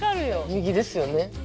右ですよね。